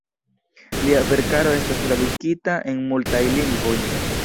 Lia verkaro estas tradukita en multajn lingvojn.